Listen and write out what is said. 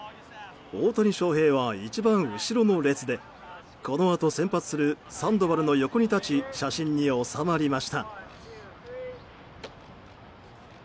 大谷翔平は一番後ろの列でこのあと先発するサンドバルの横に立ち写真に納まりました。